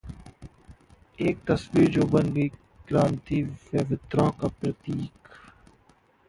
एक तस्वीर जो बन गई क्रांति व विद्रोह का प्रतीक